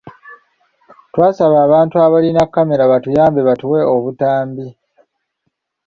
Twasaba abantu abalina kkamera batuyambe batuwe obutambi.